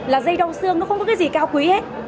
là dây đông xương nó không có cái gì cao quý hết